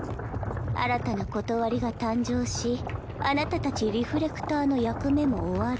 新たな理が誕生しあなたたちリフレクターの役目も終わる。